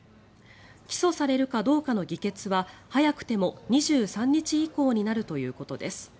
起訴されるかどうかの議決は早くても２３日以降になるということです。